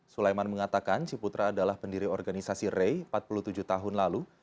sulaiman mengatakan ciputra adalah pendiri organisasi rei empat puluh tujuh tahun lalu